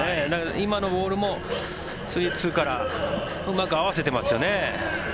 今のボールも、３−２からうまく合わせてますよね。